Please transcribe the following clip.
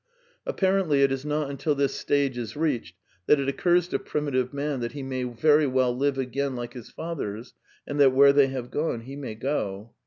Apparently it is not until this stage is reached that it occurs to primitive man that he may very well live again like his fathers, and that where they have gone he may go.